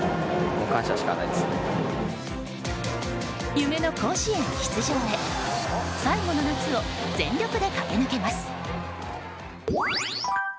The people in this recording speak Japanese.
夢の甲子園出場へ最後の夏を全力で駆け抜けます。